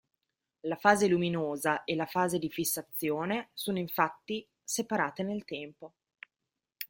La fase luminosa e la fase di fissazione sono infatti separate nel tempo.